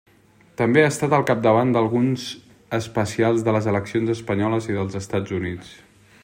També ha estat al capdavant d'alguns especials de les eleccions espanyoles i dels Estats Units.